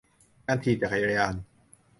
การถีบจักรยาน